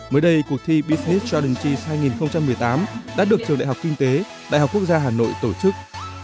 mới đây cuộc thi beathis jordant hai nghìn một mươi tám đã được trường đại học kinh tế đại học quốc gia hà nội tổ chức